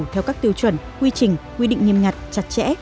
theo các tiêu chuẩn quy trình quy định nghiêm ngặt chặt chẽ